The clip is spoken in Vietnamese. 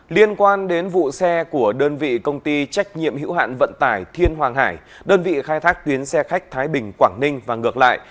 liên quan đến vụ xe của đơn vị công ty trách nhiệm hữu hạn vận tải thiên hoàng hải đơn vị khai thác tuyến xe khách thái bình quảng ninh và ngược lại